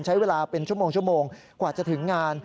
ใช้เวลาเป็นชั่วโมงกว่าจะถึงงาน